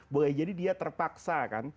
boleh jadi dia terpaksa kan